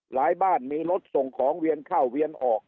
บ้านมีรถส่งของเวียนเข้าเวียนออก